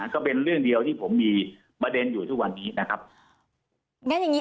ก็เป็นเรื่องเดียวที่ผมมีประเด็นอยู่ทุกวันนี้นะครับงั้นอย่างงี้